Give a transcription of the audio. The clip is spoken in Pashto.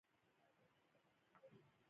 دوکاندار له فساد نه کرکه لري.